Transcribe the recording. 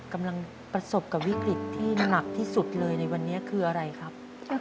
กำลังประสบกับวิกฤตที่หนักที่สุดเลยในวันนี้คืออะไรครับ